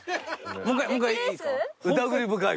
もう一回もう一回いいですか？